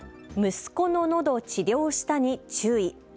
息子ののど治療したに注意。